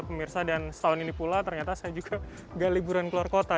pemirsa dan setahun ini pula ternyata saya juga gak liburan keluar kota